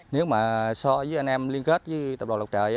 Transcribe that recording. nếu mà so với anh em liên kết với tạp đoàn lọc trời